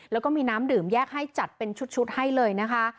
แล้วก็มีน้ำดื่มแยกให้จัดเป็นชุดให้เลยนะคะ